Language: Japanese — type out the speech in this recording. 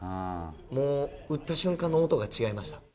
もう、打った瞬間の音が違いました。